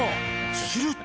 すると。